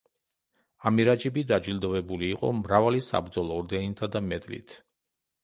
ამირაჯიბი დაჯილდოებული იყო მრავალი საბრძოლო ორდენითა და მედლით.